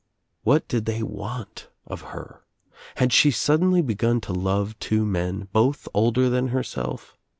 What did they want her of her? Had she suddenly begun to love two men, both older than herself?